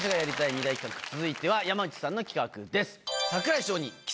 ２大企画続いては山内さんの企画です。